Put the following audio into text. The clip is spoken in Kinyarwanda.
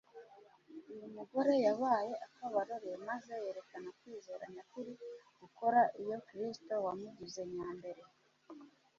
Uyu mugore yabaye akabarore, maze yerekana kwizera nyakuri gukora iyo Kristo wamugize nyambere.